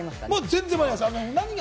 全然間に合います。